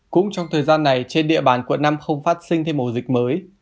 cũng trong thời gian này trên địa bàn quận năm không phát sinh thêm ổ dịch mới